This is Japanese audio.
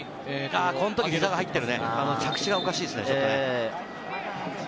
あ、このとき膝が入ってるね、着地がおかしいね。